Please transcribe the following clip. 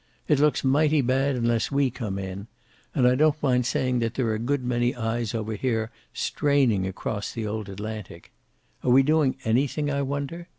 "It looks mighty bad, unless we come in. And I don't mind saying that there are a good many eyes over here straining across the old Atlantic. Are we doing anything, I wonder?